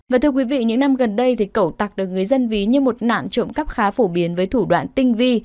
và thưa quý vị những năm gần đây thì cẩu tặc được người dân ví như một nạn trộm cắp khá phổ biến với thủ đoạn tinh vi